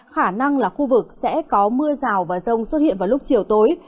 khả năng là khu vực sẽ có mưa rào và rông xuất hiện vào lúc chiều tối